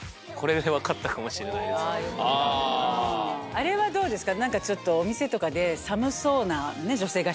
あれはどうですか？